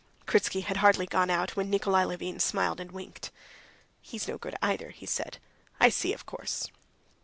Kritsky had hardly gone out when Nikolay Levin smiled and winked. "He's no good either," he said. "I see, of course...."